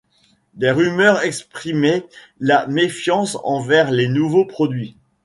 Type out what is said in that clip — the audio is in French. Des rumeurs exprimaient la méfiance envers les nouveaux produits.